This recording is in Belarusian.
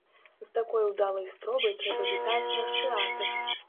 З такой удалай спробай трэба вітаць наш тэатр!